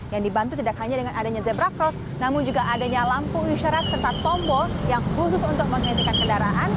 yang dibantu tidak hanya dengan adanya zebra cross namun juga adanya lampu isyarat serta tombol yang khusus untuk menghentikan kendaraan